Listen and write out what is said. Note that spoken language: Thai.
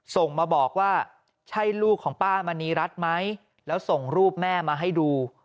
ส่งมาบอกว่าใช่ลูกของป้ามณีรัฐไหมแล้วส่งรูปแม่มาให้ดู